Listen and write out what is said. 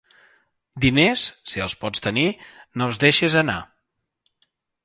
Diners, si els pots tenir, no els deixes anar.